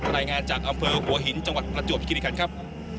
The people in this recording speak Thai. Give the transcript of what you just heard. รายงานจากอำเภอหัวหินจังหวัดประจวบคิริคันครับ